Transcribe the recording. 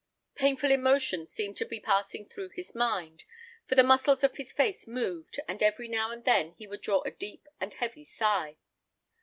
Painful emotions seemed to be passing through his mind, for the muscles of his face moved, and every now and then he would draw a deep and heavy sigh.